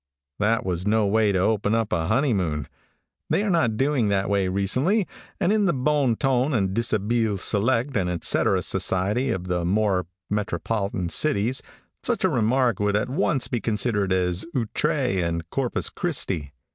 That was no way to open up a honeymoon. They are not doing that way recently, and in the bon ton and dishabille select and etcetera society of the more metropolitan cities, such a remark would at once be considered as outre and Corpus Christi.